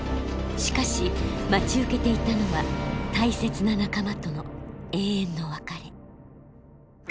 しかし待ち受けていたのは大切な仲間との永遠の別れ。